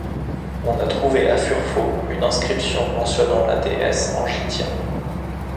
On a trouvé à Furfo une inscription mentionnant la déesse Angitia.